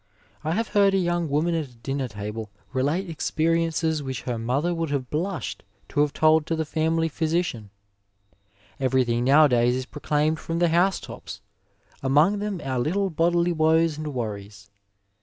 I have heard a young woman at a dinner table relate experiences which her mother would have blushed to have told to the &mily physician. Ev^ything nowadays is proclaimed from the house tops, among them our little bodily woes and worries.